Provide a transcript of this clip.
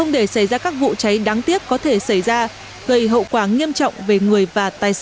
đã các vụ cháy đáng tiếc có thể xảy ra gây hậu quả nghiêm trọng về người và tài sản